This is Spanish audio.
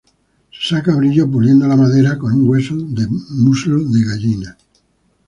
Se saca brillo puliendo la madera con un hueso de muslo de gallina.